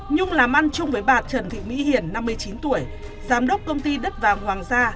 nhung làm ăn chung với bà trần thị mỹ hiền năm mươi chín tuổi giám đốc công ty đất vàng hoàng gia